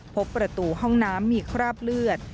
พบประตูห้องน้ำมีคราบเลือด